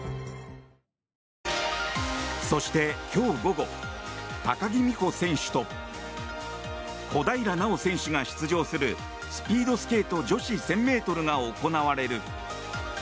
そして、今日午後高木美帆選手と小平奈緒選手が出場するスピードスケート女子１０００ｍが行われる。